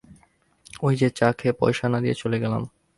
ঐ যে চা খেয়ে পয়সা না দিয়ে চলে গেলাম!